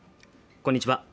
こんにちは